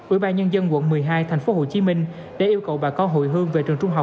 ủy ban nhân dân quận một mươi hai thành phố hồ chí minh đã yêu cầu bà con hồi hương về trường trung học